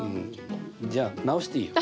じゃあ直していいよ。